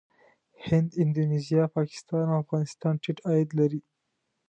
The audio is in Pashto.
هند، اندونیزیا، پاکستان او افغانستان ټيټ عاید لري.